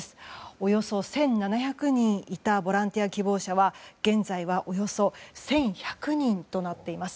およそ１７００人いたボランティア希望者は現在はおよそ１１００人となっています。